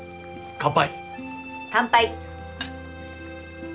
乾杯！